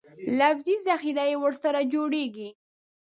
لفظي ذخیره یې ورسره جوړېږي.